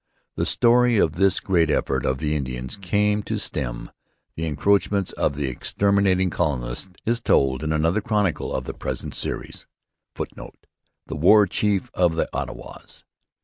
The story of this great effort of the Indians to stem the encroachments of the exterminating colonists is told in another chronicle of the present Series. [Footnote: The War Chief of the Ottawas.